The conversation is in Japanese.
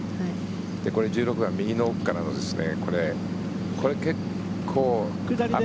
これ１６番、右の奥からの結構下りで。